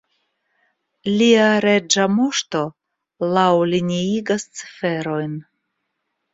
Lia Reĝa Moŝto laŭliniigas ciferojn.